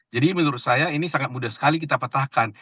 jadi menurut saya ini sangat mudah sekali kita petahkan